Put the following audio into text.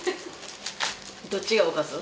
どっちがおかず？